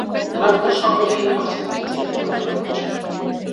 Նրանք նշանվել էին հարսանիքից երկու տարի առաջ։